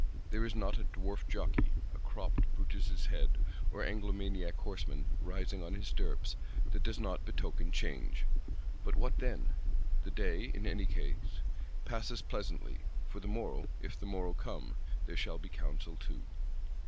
There is not a dwarf jokei, a cropt Brutus' head, or Anglomaniac horseman rising on his stirrups, that does not betoken change. But what then? The day, in any case, passes pleasantly; for the morrow, if the morrow come, there shall be counsel too.